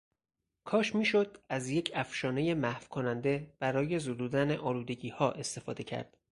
کاش میشد از یک افشانهٔ محوکننده برای زدودن آلودگیها استفاده کرد